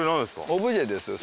オブジェです。